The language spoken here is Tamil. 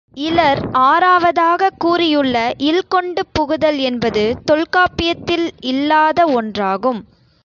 இலர் ஆறாவதாகக் கூறியுள்ள இல் கொண்டு புகுதல் என்பது தொல்காப்பியத்தில் இல்லாத ஒன்றாகும்.